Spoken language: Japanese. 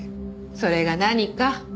それが何か？